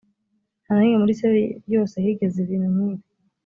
nta na rimwe muri isirayeli yose higeze ibintu nk’ibi